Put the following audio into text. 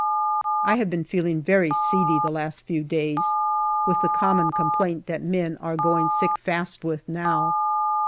I have been feeling very seedy the last few days, with the common complaint that men are going sick fast with now.